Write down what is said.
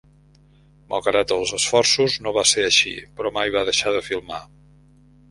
Malgrat els esforços, no va ser així, però mai va deixar de filmar.